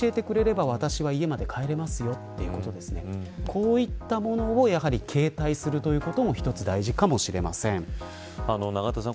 こういったものを携帯することも一つ、大事かもしれません永田さん